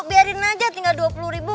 biarin aja tinggal dua puluh ribu